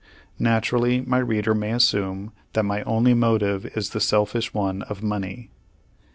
Naturally, my reader may assume that my only motive is the selfish one of money.